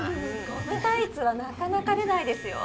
ゴムタイツはなかなか出ないですよ。